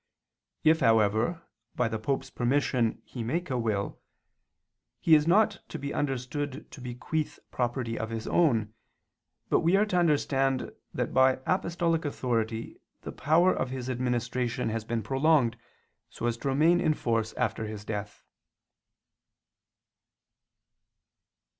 If, however, by the Pope's permission he make a will, he is not to be understood to bequeath property of his own, but we are to understand that by apostolic authority the power of his administration has been prolonged so as to remain in force after his death.